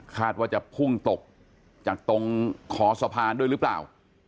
ว่าจะพุ่งตกจากตรงคอสะพานด้วยหรือเปล่า